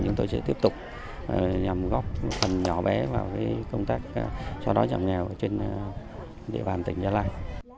chúng tôi sẽ tiếp tục nhằm góp phần nhỏ bé vào công tác sau đó giảm nghèo trên địa bàn tỉnh gia lai